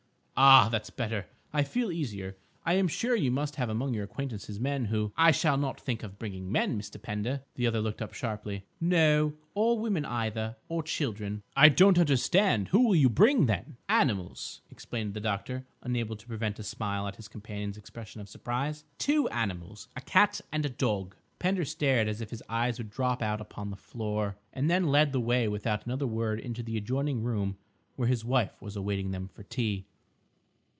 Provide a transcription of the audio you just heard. "Ah, that's better. I feel easier. I am sure you must have among your acquaintances men who—" "I shall not think of bringing men, Mr. Pender." The other looked up sharply. "No, or women either; or children." "I don't understand. Who will you bring, then?" "Animals," explained the doctor, unable to prevent a smile at his companion's expression of surprise—"two animals, a cat and a dog." Pender stared as if his eyes would drop out upon the floor, and then led the way without another word into the adjoining room where his wife was awaiting them for tea.